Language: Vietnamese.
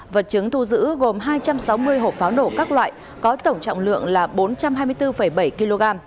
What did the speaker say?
vật chứng thu giữ gồm hai trăm sáu mươi hộp pháo nổ các loại có tổng trọng lượng là bốn trăm hai mươi bốn bảy kg